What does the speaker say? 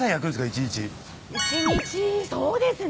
一日そうですね